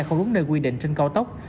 không đúng nơi quy định trên cao tốc